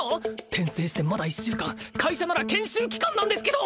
転生してまだ１週間会社なら研修期間なんですけど！